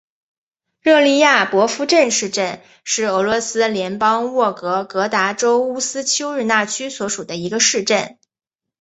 热利亚博夫镇市镇是俄罗斯联邦沃洛格达州乌斯秋日纳区所属的一个市镇。